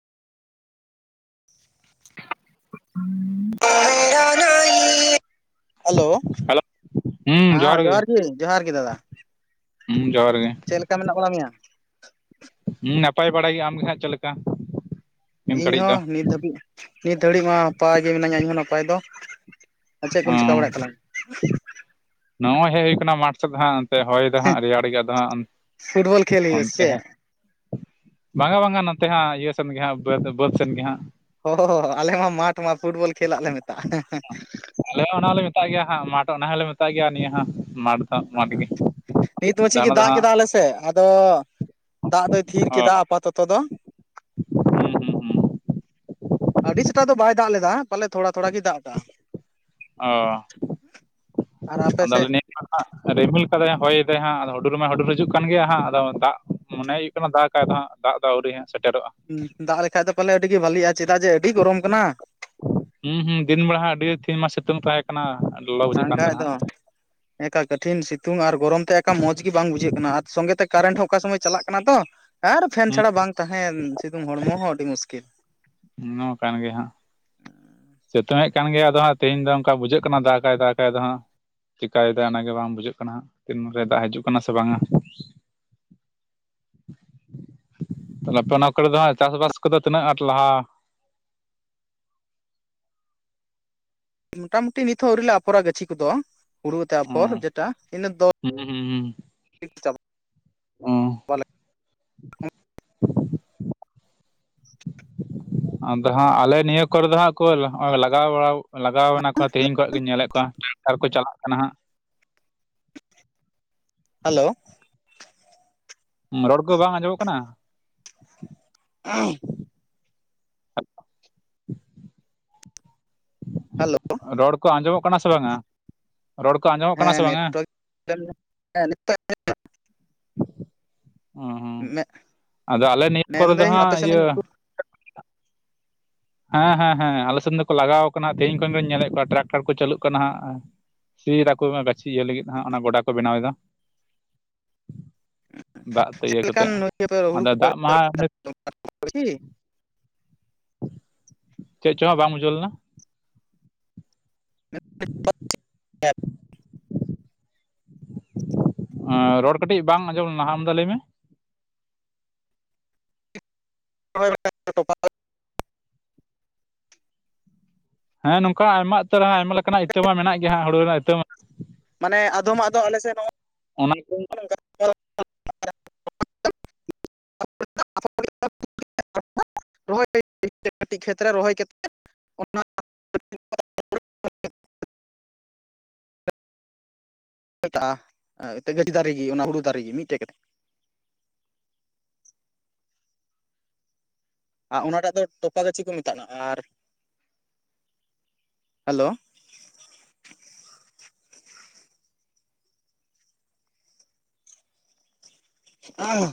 [unintelligible] Hello hello ᱦᱮᱸ ᱡᱚᱦᱟᱨ ᱜᱮ ᱡᱚᱦᱟᱨ ᱜᱮ ᱫᱟᱫᱟ ᱦᱩᱸ ᱡᱚᱦᱟᱨ ᱜᱮ᱾ ᱪᱮᱫ ᱞᱮᱠᱟ ᱢᱮᱱᱟᱜ ᱵᱚᱱᱟ ᱢᱮᱭᱟ ᱦᱩᱸ ᱱᱟᱯᱟᱭ ᱵᱟᱲᱟ ᱜᱮ ᱟᱢ ᱜᱮ ᱦᱮᱜ ᱪᱮᱫ ᱞᱮᱠᱟ? ᱱᱤᱢ ᱤᱧ ᱜᱷᱟᱹᱲᱤᱡ ᱫᱚ ᱦᱚᱸ ᱱᱤᱛ ᱫᱷᱟᱹᱵᱤᱡ ᱱᱤᱛ ᱫᱷᱟᱹᱨᱤᱡ ᱢᱟ ᱱᱟᱯᱟᱭ ᱜᱮ ᱢᱤᱱᱟᱹᱧᱟ ᱤᱧᱦᱚᱸ ᱱᱟᱯᱟᱭ ᱫᱚ ᱪᱮᱫ ᱠᱚᱢ ᱪᱤᱠᱟ ᱵᱟᱲᱟᱭᱮᱫ ᱛᱟᱞᱟᱝ ᱟ ᱱᱚᱜ-ᱚᱭ ᱦᱮᱡ ᱦᱳᱭ ᱠᱟᱱᱟ ᱢᱟᱴᱷ ᱥᱮᱫ ᱦᱟᱸᱜ ᱚᱱᱛᱮ ᱦᱚᱭ ᱫᱚ ᱦᱟᱸᱜ ᱨᱮᱭᱟᱲ ᱜᱮ ᱫᱚ ᱦᱟᱸᱜ ᱯᱷᱩᱴᱵᱚᱞ ᱠᱷᱮᱞ ᱦᱩᱭᱩᱜᱼᱟ ᱥᱮ ᱚᱱᱛᱮ ᱪᱮᱫ? ᱦᱮ ᱵᱟᱝᱟ ᱵᱟᱝᱟ ᱱᱚᱛᱮ ᱦᱟᱸᱜ ᱤᱭᱟᱹ ᱥᱮᱱ ᱦᱟᱸᱜ ᱵᱟᱹᱫᱽ ᱥᱮᱱ ᱜᱮ ᱦᱟᱸᱜ᱾ ᱚᱻᱟᱞᱮ ᱢᱟᱴᱷ ᱢᱟ ᱯᱷᱩᱴᱵᱚᱞ ᱠᱷᱮᱞᱟᱜ ᱞᱮ ᱢᱮᱛᱟᱜ ᱟ᱾ ᱟᱞᱮ ᱦᱚᱸ ᱚᱱᱟ ᱦᱚᱸᱞᱮ ᱢᱮᱛᱟᱜ ᱜᱮᱭᱟ, ᱦᱟᱸᱜ ᱢᱟᱴᱷ ᱚᱱᱟ ᱦᱚᱞᱮ ᱢᱮᱛᱟᱜ ᱜᱮᱭᱟ ᱱᱤᱭᱟᱹᱜ ᱢᱟᱴᱷ ᱦᱟᱸᱜ ᱢᱟᱴᱷ ᱜᱮ ᱱᱤᱛ ᱢᱟ ᱟᱫᱚ ᱪᱮᱫᱤ ᱚᱱᱟ ᱫᱚ ᱫᱟᱜ ᱦᱟᱸᱜ ᱠᱮᱫ ᱟᱞᱮ ᱥᱮ ᱟᱫᱚ ᱫᱟᱜ ᱫᱚᱭ ᱛᱷᱤᱨ ᱚ ᱠᱮᱫᱟ ᱟᱯᱟᱛᱟᱛᱚ ᱫᱚ᱾ ᱦᱩᱸ ᱦᱩᱸ ᱦᱩᱸ ᱟᱹᱰᱤ ᱥᱮᱛᱟᱜ ᱫᱚ ᱵᱟᱭ ᱫᱟᱜ ᱞᱮᱫᱟ ᱯᱟᱞᱮ ᱛᱷᱳᱲᱟ ᱛᱷᱳᱲᱟ ᱜᱮᱭ ᱫᱟᱜ ᱠᱟᱜ-ᱟ ᱚ ᱟᱯᱮ ᱟᱫᱚᱞ ᱥᱮᱫ ᱨᱤᱢᱤᱞ ᱠᱟᱫᱟᱭ ᱦᱚᱭᱫᱟᱭ ᱦᱟᱸᱜ ᱟᱫᱚ ᱦᱩᱰᱩᱨ ᱢᱟᱭ ᱦᱩᱰᱩᱨ ᱦᱤᱡᱩᱜ ᱠᱟᱱ ᱜᱮᱭᱟ ᱦᱟᱸᱜ ᱟᱫᱚ ᱫᱟᱜ ᱢᱚᱱᱮ ᱦᱩᱭᱩᱜ ᱫᱟᱜ ᱠᱟᱭ ᱫᱚ ᱦᱟᱸᱜ ᱫᱟᱜ ᱫ ᱟᱹᱣᱨᱤ ᱦᱟᱜ ᱥᱮᱴᱮᱨᱚᱜ-ᱟ ᱦᱩᱸ ᱫᱟᱜ ᱞᱮᱠᱷᱟᱡ ᱫᱚ ᱯᱟᱞᱮ ᱟᱹᱰᱤ ᱜᱮ ᱵᱷᱟᱹᱞᱤᱜ ᱟ ᱪᱮᱫᱟᱜ ᱡᱮ ᱟᱹᱰᱤ ᱜᱚᱨᱚᱢ ᱠᱟᱱᱟ᱾ ᱦᱩᱸ ᱦᱩᱸ ᱫᱤᱱ ᱵᱮᱲᱟ ᱟᱹᱰᱤ ᱛᱷᱤ ᱢᱟ ᱥᱤᱛᱩᱝ ᱛᱟᱹᱦᱮ ᱠᱟᱱᱟ ᱞᱚᱵ ᱥᱟᱝ ᱠᱟᱡᱽ ᱫᱚ ᱦᱮᱸ ᱛᱚ ᱠᱟᱴᱷᱤᱱ ᱥᱤᱛᱩᱝ ᱟᱨ ᱜᱚᱨᱚᱢ ᱛᱮ ᱮᱠᱟ ᱢᱚᱸᱡᱽ ᱜᱮ ᱵᱟᱝ ᱵᱩᱡᱷᱟᱹᱜ ᱠᱟᱱᱟ ᱟᱨ ᱥᱚᱸᱝᱜᱮ ᱛᱮ ᱠᱟᱨᱮᱱᱴ ᱦᱚᱸ ᱚᱠᱟ ᱥᱚᱢᱚᱭ ᱪᱟᱞᱟᱜ ᱠᱟᱱᱟ ᱛᱚ᱾ ᱟᱨ ᱯᱷᱮᱱ ᱦᱟᱸᱜ ᱪᱷᱟᱲᱟ ᱵᱟᱝ ᱛᱟᱦᱮᱱ ᱥᱤᱛᱩᱝ ᱦᱚᱲᱢᱚ ᱦᱚᱸ ᱟᱹᱰᱤ ᱢᱩᱥᱠᱤᱞ ᱱᱚᱭᱟ ᱠᱟᱱ ᱜᱮᱭᱟ ᱦᱟᱸᱜ ᱥᱤᱛᱩᱝᱮᱫ ᱠᱟᱱ ᱜᱮᱭᱟ ᱟᱫᱚ ᱦᱟᱸᱜ ᱛᱮᱦᱮᱧ ᱫᱚ ᱚᱱᱠᱟ ᱵᱩᱡᱷᱟᱹᱜ ᱠᱟᱱᱟ ᱫᱟᱜᱟᱭ ᱫᱟᱜᱟᱭ ᱟᱫᱚ ᱦᱟᱸᱜ ᱪᱤᱠᱟᱭ ᱫᱟ ᱚᱱᱟᱜᱮ ᱵᱟᱝ ᱵᱩᱡᱷᱟᱹᱜ ᱠᱟᱱᱟ ᱦᱟᱸᱜ ᱛᱤᱱ ᱨᱮ ᱫᱟᱜᱽ ᱦᱤᱡᱩᱜ ᱠᱟᱱᱟ ᱥᱮ ᱵᱟᱝ ᱟ ᱛᱟᱦᱮᱞᱮ ᱱᱟᱯᱮ ᱱᱟ ᱠᱚᱨᱮ ᱫᱚ ᱦᱟᱸᱜ ᱪᱟᱥᱵᱟᱥ ᱠᱚᱫᱚ ᱛᱤᱱᱟᱹᱜ ᱟᱸᱴ ᱞᱟᱦᱟ ᱢᱩᱴᱟᱢᱩᱴᱤ ᱱᱤᱛᱦᱚᱸ ᱟᱹᱣᱨᱤ ᱟᱯᱷᱚᱨᱟ ᱜᱟᱹᱪᱷᱤ ᱠᱚᱫᱚ ᱦᱩᱲᱩ ᱛᱟᱨᱯᱚᱨ ᱦᱩᱸ ᱡᱮᱴᱟ ᱤᱱᱟᱹ ᱫᱚ ᱦᱩᱸ ᱦᱩᱸ ᱪᱟᱵᱟᱜ ᱦᱩᱸ ᱯᱟᱞᱮᱜ [inaudible] ᱟᱫᱚ ᱦᱟᱸᱜ ᱟᱞᱮ ᱱᱤᱭᱟᱹ ᱠᱚᱨᱮ ᱫᱚ ᱦᱟᱸᱜ ᱠᱚᱸᱦᱚᱸ ᱞᱟᱜᱟᱣ ᱵᱟᱲᱟᱣ ᱞᱟᱜᱟᱣ ᱮᱱᱟᱠᱚ ᱛᱮᱦᱮᱧ ᱠᱷᱚᱡ ᱜᱤᱧ ᱧᱮᱞᱮᱫ ᱠᱚᱣᱟ ᱟᱨᱠᱚ ᱪᱟᱞᱟᱜ ᱠᱟᱱᱟ ᱦᱟᱸᱜ ᱾ ᱦᱮᱞᱳ ᱨᱚᱲ ᱠᱚ ᱵᱟᱝ ᱟᱸᱡᱚᱢᱚᱜ ᱠᱟᱱᱟ ᱾ [unintelligible] [inaudible] ᱦᱮᱞᱳ ᱨᱚᱚᱲ ᱠᱚ ᱟᱸᱡᱚᱢᱚᱜ ᱠᱟᱱᱟ ᱥᱮ ᱵᱟᱝᱼᱟ? ᱨᱚᱲ ᱠᱚ ᱟᱸᱡᱚᱢᱚᱜ ᱠᱟᱱᱟ ᱥᱮ ᱵᱟᱝᱼᱟ? [inaudible] ᱦᱩᱸ ᱦᱩᱸ ᱢᱮᱻ ᱟᱫᱚ ᱟᱞᱮ ᱱᱤᱭᱟᱹ ᱠᱚᱨᱮ ᱫᱚ ᱢᱮᱱᱫᱟᱹᱧ ᱟᱯᱮ ᱦᱟᱸᱜ ᱥᱮᱱᱟᱜ ᱧᱩᱛᱩ ᱤᱭᱟᱹ ᱦᱮᱸ ᱦᱮᱸ ᱦᱮᱸ ᱟᱞᱮ ᱥᱮᱱ ᱫᱚᱠᱚ ᱞᱟᱜᱟᱣ ᱠᱟᱱᱟ ᱛᱮᱦᱧ ᱠᱷᱚᱱ ᱜᱤᱧ ᱧᱮᱞᱮᱫ ᱠᱚᱣᱟ ᱴᱨᱟᱠᱴᱟᱨ ᱠᱚ ᱪᱟᱹᱞᱩᱜ ᱠᱟᱱᱟ ᱦᱟᱸᱜ ᱾ ᱪᱤᱨ ᱟᱠᱚ ᱦᱟᱸᱜ ᱜᱟᱹᱪᱷᱤ ᱤᱭᱟᱹ ᱞᱟᱹᱜᱤᱫ ᱦᱟᱸᱜ ᱚᱱᱟ ᱜᱳᱰᱟ ᱠᱚ ᱵᱮᱱᱟᱣ ᱫᱟ ᱾ ᱫᱟᱜ ᱛᱮ ᱪᱮᱫ ᱤᱭᱟᱹ ᱞᱮᱠᱟᱱ ᱠᱟᱛᱮᱫ ᱚᱱᱛᱮ ᱫᱚ ᱦᱩᱲᱩ ᱟᱫᱚ ᱠᱚᱯᱮ ᱫᱟᱜ ᱨᱦᱚᱭ ᱢᱟ ᱫᱟ? [inaudible] ᱪᱮᱫ ᱪᱚᱝ ᱦᱟᱸᱜ ᱵᱟᱝ ᱵᱩᱷᱟᱹᱣ ᱞᱮᱱᱟ? [inaudible] ᱟᱻ ᱨᱚᱲ ᱠᱟᱹᱴᱤᱡ ᱵᱟᱝ ᱟᱸᱡᱚᱢ ᱞᱮᱱᱟ ᱟᱨᱢᱮᱫᱟ ᱞᱟᱹᱭ ᱢᱮ ᱾ [inaudible] ᱦᱮᱸ ᱱᱚᱝᱠᱟ ᱟᱭᱢᱟ ᱩᱛᱟᱹᱨ ᱨᱮᱦ ᱟᱭᱢᱟ ᱞᱮᱠᱟᱱᱟᱜ ᱤᱛᱟᱹ ᱢᱟ ᱢᱮᱱᱟᱜ ᱜᱮᱭᱟᱜ ᱦᱩᱲᱩ ᱨᱮᱱᱟᱜ ᱤᱛᱟᱹ ᱢᱟ ᱾ ᱢᱟᱱᱮ ᱟᱫᱚᱢᱟᱜ ᱫᱚ ᱟᱞᱮ ᱥᱮᱱ ᱚᱱᱟ ᱠᱚ ᱦᱚᱸ [inaudible] [inaudible] [inaudible] ᱢᱮᱛᱟᱜᱼᱟ, [unintelligible] ᱚᱱᱟ ᱦᱩᱲᱩ ᱫᱟᱨᱮᱜᱮ ᱢᱤᱫᱴᱮᱡ ᱠᱟᱛᱮᱫ ᱾ ᱟᱨ ᱚᱱᱟᱴᱟᱜ ᱫᱚ ᱛᱚᱯᱟ ᱫᱚ ᱪᱮᱜ ᱠᱚ ᱢᱮᱛᱟᱜᱱᱟ? ᱟᱨ ᱦᱮᱞᱳ [inaudible]